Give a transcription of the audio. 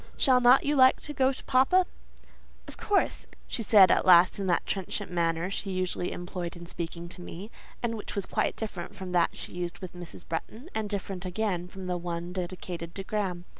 "Shall not you like to go to papa?" "Of course," she said at last in that trenchant manner she usually employed in speaking to me; and which was quite different from that she used with Mrs. Bretton, and different again from the one dedicated to Graham.